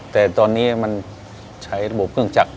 แต่ตอนนี้มันใช้ระบบเครื่องจักร